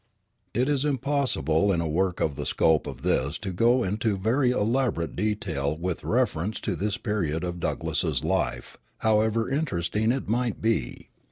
It is impossible in a work of the scope of this to go into very elaborate detail with reference to this period of Douglass's life, however interesting it might be.